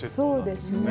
そうですね。